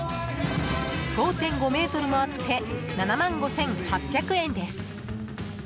５．５ｍもあって７万５８００円です。